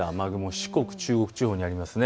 四国、中国地方にありますね。